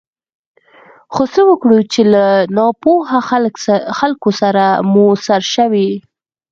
خو څه وکړو چې له ناپوهه خلکو سره مو سر شوی.